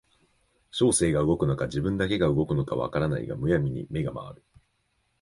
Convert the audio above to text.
書生が動くのか自分だけが動くのか分からないが無闇に眼が廻る